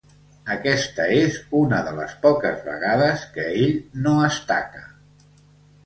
Aquesta és una de les poques vegades que ell no es taca.